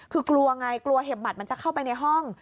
คือกลัวไงกลัวเห็บหมัดมันจะเข้าไปในห้อง